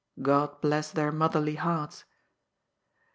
God bless their motherly hearts